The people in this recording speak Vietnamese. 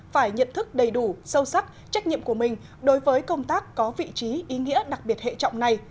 phải nhận thức đầy đủ sâu sắc trách nhiệm của mình đối với công tác có vị trí ý nghĩa đặc biệt hệ trọng này